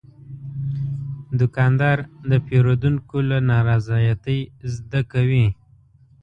دوکاندار د پیرودونکو له نارضایتۍ زده کوي.